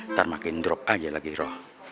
ntar makin drop aja lagi roh